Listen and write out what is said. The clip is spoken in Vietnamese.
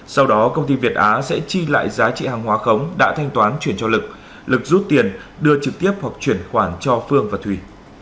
sau đó công ty việt á sẽ chi lại giá trị hàng hóa khống đã thanh toán chuyển cho lực lực rút tiền đưa trực tiếp hoặc chuyển khoản cho phương và thủy